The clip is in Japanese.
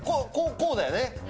こうだよね。